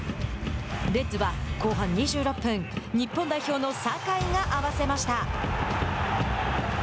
レッズは、後半２６分日本代表の酒井が合わせました。